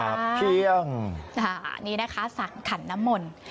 พรรดาเพียงนะฮะนี่นะฮะสั่งขันนมล